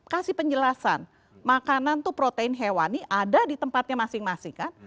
kasih penjelasan makanan itu protein hewani ada di tempatnya masing masing kan